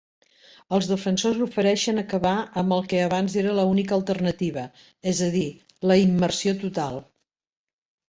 Els defensors ofereixen acabar amb el que abans era la única alternativa, és a dir, la immersió total.